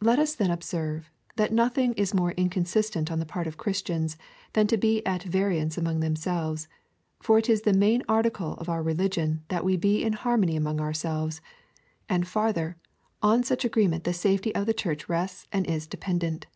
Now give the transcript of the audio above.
Let us then ob serve, that nothing is more inconsistent on the part of Christians than to be at variance among themselves, for it is the main article of our religion that we be in harmony among ourselves ; and farther, on such agreement the safety of the Church rests and is dependent.